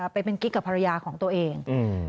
ไปเป็นกิ๊กกับภรรยาของตัวเอง